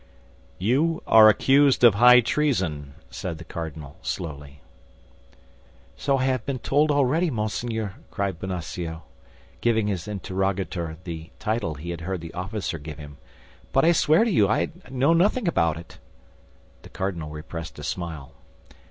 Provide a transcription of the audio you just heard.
"You are accused of high treason," said the cardinal, slowly. "So I have been told already, monseigneur," cried Bonacieux, giving his interrogator the title he had heard the officer give him, "but I swear to you that I know nothing about it." The cardinal repressed a smile.